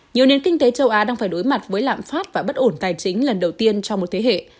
nhiều nền kinh tế châu á đang phải đối mặt với lạm phát và bất ổn tài chính lần đầu tiên cho một thế hệ